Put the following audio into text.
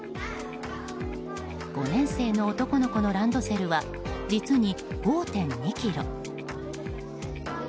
５年生の男の子のランドセルは実に５．２ｋｇ。